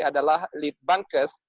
adalah lead bankers